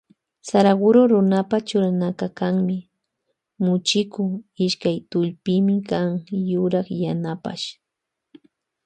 Saraguro runapa churanaka kanmi muchiku ishkay tullpimikan yurak yanapash.